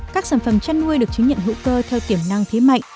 các sản phẩm chăn nuôi được chứng nhận hữu cơ theo tiềm năng thế mạnh